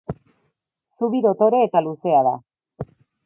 Zubi dotore eta luzea da.